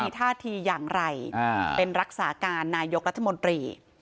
ท่าทีอย่างไรเป็นรักษาการนายกรัฐมนตรี